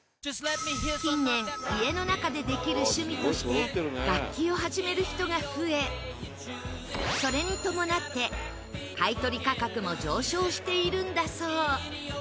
近年家の中でできる趣味として楽器を始める人が増えそれに伴って買取価格も上昇しているんだそう。